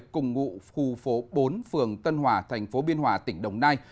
cùng ngụ khu phố bốn phường tân hòa thành phố biên hòa tỉnh đồng nai